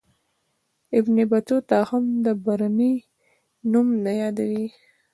ابن بطوطه هم د برني نوم نه یادوي.